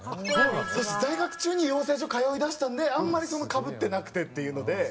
在学中に養成所通いだしたんであんまりかぶってなくてっていうので。